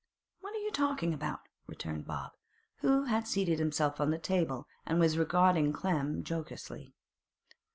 'What are you talking about?' returned Bob, who had seated himself on the table, and was regarding Clem jocosely.